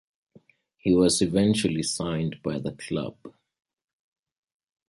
He was eventually signed by the club.